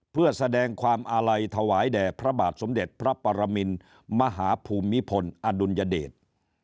เพื่อแสดงความอาลัยถวายแด่พระบาทสมเด็จพระปรมินมหาภูมิพลอดุลยเดช